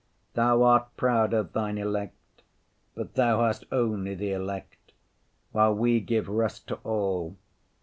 Thou art proud of Thine elect, but Thou hast only the elect, while we give rest to all.